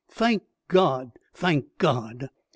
Thank God! thank God!"